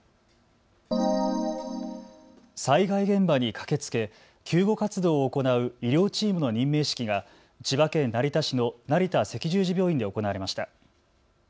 災害現場に駆けつけ救護活動を行う医療チームの任命式が千葉県成田市の成田赤十字病院で行われました。